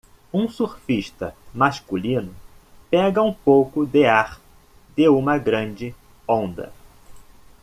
Um surfista masculino pega um pouco de ar de uma grande onda.